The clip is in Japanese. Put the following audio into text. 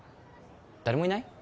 誰もいない？